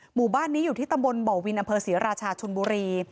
หมู่บ้านนี้อยู่ที่ตำรวจบวินอศรีราชชนบุรี